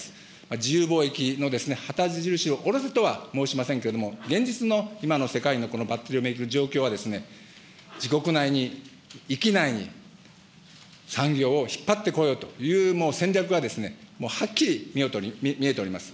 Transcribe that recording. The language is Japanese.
自由貿易の旗印を降ろせとは申しませんけれども、現実の今の世界のこのバッテリーを巡る状況は、自国内に、域内に、産業を引っ張ってこようという戦略がはっきり見事に見えております。